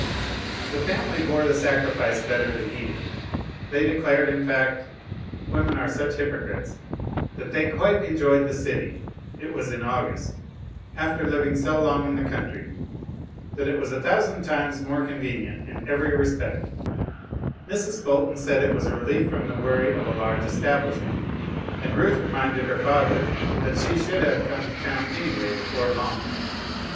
The family bore the sacrifice better than he did. They declared in fact women are such hypocrites that they quite enjoyed the city (it was in August) after living so long in the country, that it was a thousand times more convenient in every respect; Mrs. Bolton said it was a relief from the worry of a large establishment, and Ruth reminded her father that she should have had to come to town anyway before long.